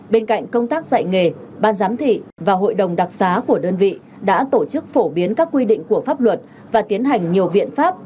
bên cạnh công tác dạy nghề ban giám thị và hội đồng đặc xá của đơn vị đã tổ chức phổ biến các quy định của pháp luật và tiến hành nhiều biện pháp